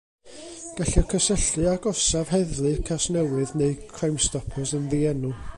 Gellir cysylltu â gorsaf heddlu Casnewydd neu Crimestoppers yn ddienw.